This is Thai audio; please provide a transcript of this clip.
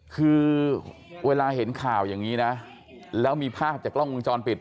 คือเวลาเห็นข่าวอย่างนี้นะแล้วมีภาพจากกล้องวงจรปิด